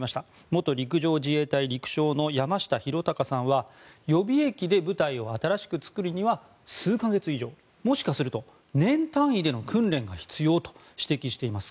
元陸上自衛隊陸将の山下裕貴さんは予備役で部隊を新しく作るには数か月以上もしかすると年単位での訓練が必要と指摘しています。